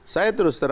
saya terus terang